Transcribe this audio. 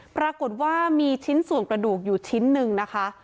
ปรากฏว่ามีชิ้นส่วนกระดูกอยู่ชิ้นหนึ่งนะคะ